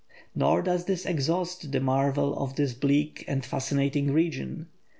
Nor does this exhaust the marvel of this bleak and fascinating region.